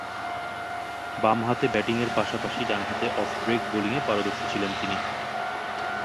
বামহাতে ব্যাটিংয়ের পাশাপাশি ডানহাতে অফ ব্রেক বোলিংয়ে পারদর্শী ছিলেন তিনি।